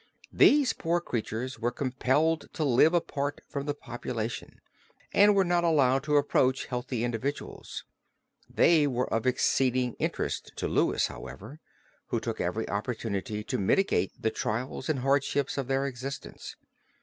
These poor creatures were compelled to live apart from the population and were not allowed to approach healthy individuals. They were of exceeding interest to Louis however, who took every opportunity to mitigate the trials and hardships of their existence.